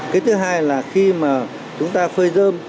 cái thứ hai là khi mà chúng ta phơi dơm